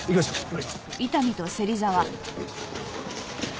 はい。